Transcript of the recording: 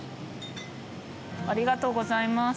ありがとうございます。